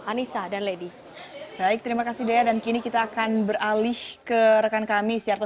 anissa dan lady baik terima kasih dea dan kini kita akan beralih ke rekan kami siarto